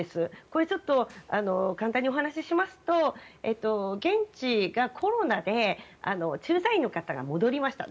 これは簡単にお話ししますと現地がコロナで駐在員の方が戻りました